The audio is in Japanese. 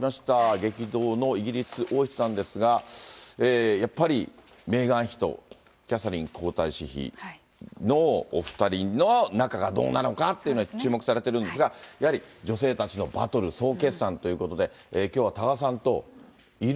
激動のイギリス王室なんですが、やっぱりメーガン妃とキャサリン皇太子妃のお２人の仲がどうなのかっていうのは、注目されてるんですが、やはり女性たちのバトル総決算ということで、きょうは多賀さんと、いる？